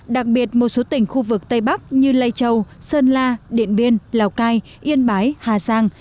đặc biệt một số tỉnh khu vực tây bắc như lai châu sơn la điện biên lào cai yên bái hà giang